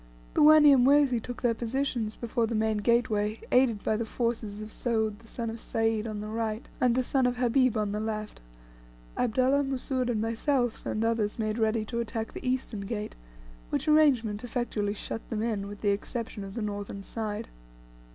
The Wanyamwezi took their position before the main gateway, aided by the forces of Soud the son of Sayd on the right, and the son of Habib on the left, Abdullah, Mussoud, myself, and others made ready to attack the eastern gates, which arrangement effectually shut them in, with the exception of the northern side.